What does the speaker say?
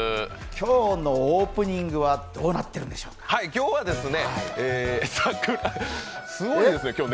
今日のオープニングどうなってるんでしょうか？